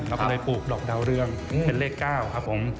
เราก็เลยปลูกดอกดาวเรืองเป็นเลข๙ครับผม